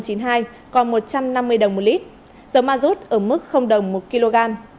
còn một trăm năm mươi đồng một lít dầu ma rút ở mức đồng một kg